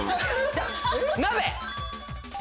鍋！